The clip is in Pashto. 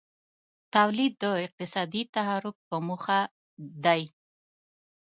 تولید د اقتصادي تحرک په موخه دی.